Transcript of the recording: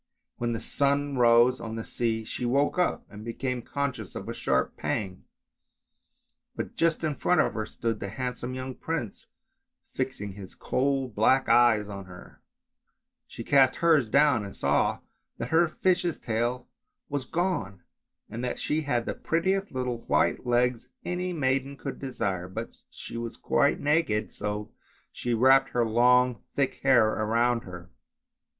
When the sun rose on the sea she woke up and became conscious of a sharp pang, but just in front of her stood the handsome young prince, fixing his coal black eyes on her; she cast hers down and saw that her fish's tail was gone, and that she had the prettiest little white legs any maiden could desire, but she was quite naked, so she wrapped her long thick hair around her.